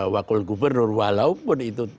wakil gubernur walaupun itu